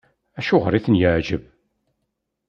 Acuɣer i ten-yeɛjeb?